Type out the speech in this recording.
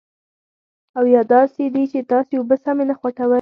او یا داسې دي چې تاسې اوبه سمې نه خوټوئ.